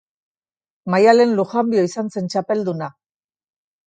Maialen Lujanbio izan zen txapelduna.